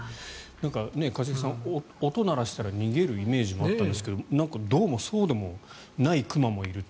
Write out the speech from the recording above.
一茂さん、音を鳴らしたら逃げるイメージもあったんですがなんかどうもそうでもない熊もいるって。